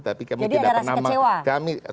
jadi ada rasa kecewa